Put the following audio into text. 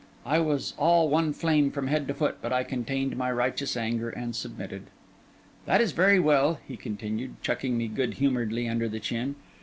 I was all one flame from head to foot, but I contained my righteous anger and submitted. 'That is very well,' he continued, chucking me good humouredly under the chin.